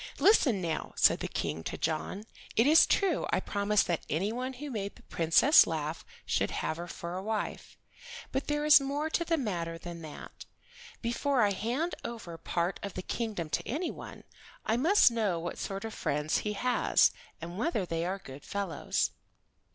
"Listen, now," said the King to John. "It is true I promised that anyone who made the Princess laugh should have her for a wife, but there is more to the matter than that. Before I hand over part of the kingdom to anyone, I must know what sort of friends he has, and whether they are good fellows.